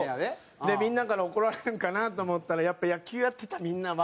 みんなから怒られるんかなと思ったらやっぱ野球やってたみんなは。